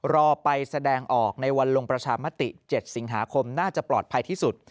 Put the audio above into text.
รอไปแสดงออกในวันลงประชามติ๗สิงหาคมน่าจะปลอดภัยที่สุด